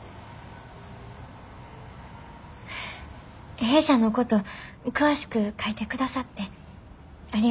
弊社のこと詳しく書いてくださってありがとうございます。